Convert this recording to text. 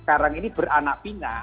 sekarang ini beranak pina